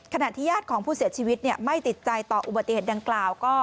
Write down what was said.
ขณะที่ญาติของผู้เสียชีวิตไม่ติดใจต่ออุบัติเหตุดังกล่าว